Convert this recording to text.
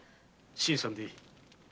新さんでいい。